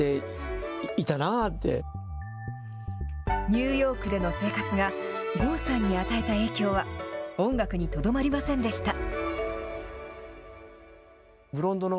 ニューヨークでの生活が、郷さんに与えた影響は、音楽にとどまりませんでした。